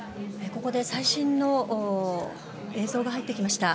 ここで最新映像が入ってきました。